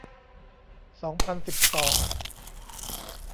สองพันสิบสอง